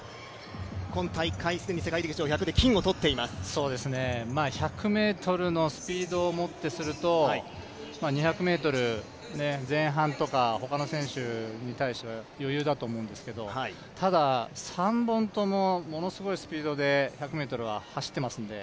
今大会、既に世界陸上、１００で１００ｍのスピードをもってすると２００ｍ前半とか、他の選手に対しては余裕だと思うんですけれどもただ、３本ともものすごいスピードで１００ｍは走っていますのえ